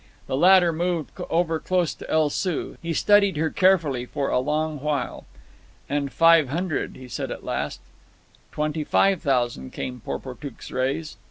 The latter moved over close to El Soo. He studied her carefully for a long while. "And five hundred," he said at last. "Twenty five thousand," came Porportuk's raise.